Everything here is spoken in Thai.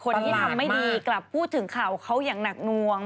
คนที่ทำไม่ดีกลับพูดถึงข่าวเขาอย่างหนักนวง